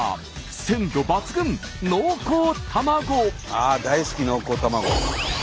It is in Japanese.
ああ大好き濃厚卵。